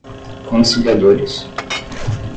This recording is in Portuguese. conciliadores